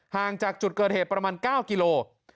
ห่างจากจุดเกิดเหตุประมาณ๙กิโล